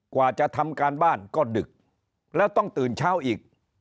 กว่าจะทำการบ้านก็ดึกแล้วต้องตื่นเช้าอีก